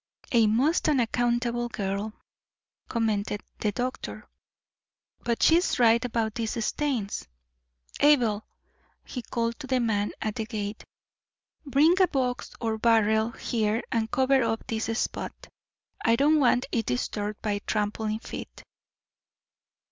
"A most unaccountable girl," commented the doctor. "But she is right about these stains. Abel," he called to the man at the gate, "bring a box or barrel here and cover up this spot. I don't want it disturbed by trampling feet."